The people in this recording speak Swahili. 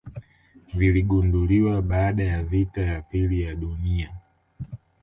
viligunduliwa baada ya vita ya pili ya duni